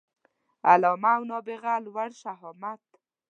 علامه او نابغه لوړ شهامت